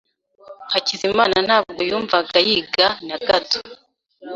Hakizimana ntabwo yumvaga yiga na gato.